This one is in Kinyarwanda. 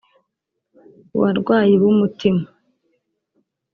Ku barwayi b’umutima